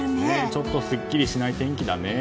ちょっとすっきりしない天気だね。